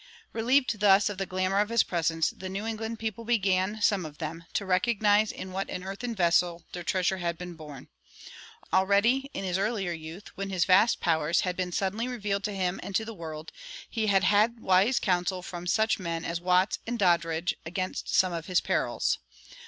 Relieved thus of the glamor of his presence, the New England people began, some of them, to recognize in what an earthen vessel their treasure had been borne. Already, in his earlier youth, when his vast powers had been suddenly revealed to him and to the world, he had had wise counsel from such men as Watts and Doddridge against some of his perils.